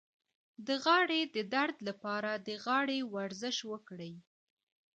د غاړې د درد لپاره د غاړې ورزش وکړئ